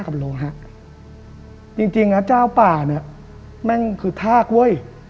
โลหะจริงจริงนะเจ้าป่าเนี่ยแม่งคือทากเว้ย